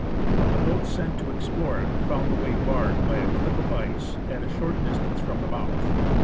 But the boats sent to explore it found the way barred by a cliff of ice at a short distance from the mouth.